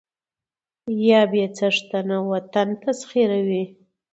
يا بې څښنته وطن تسخيروي